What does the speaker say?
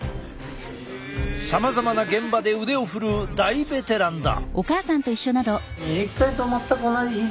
さまざまの現場で腕を振るう大ベテランだ。